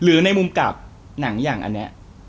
ในมุมกลับหนังอย่างอันนี้